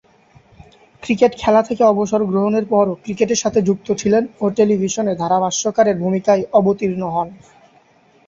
Cricket খেলা থেকে অবসর গ্রহণের পরও ক্রিকেটের সাথে যুক্ত ছিলেন ও টেলিভিশনে ধারাভাষ্যকারের ভূমিকায় অবতীর্ণ হন।